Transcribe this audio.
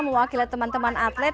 mewakili teman teman atlet